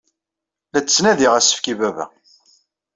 La d-ttnadiɣ asefk i baba.